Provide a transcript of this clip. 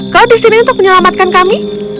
kau di sini untuk menyelamatkan kami